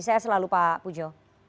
saya selalu pak pujo